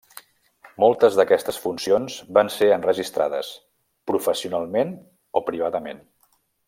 Moltes d'aquestes funcions van ser enregistrades, professionalment o privadament.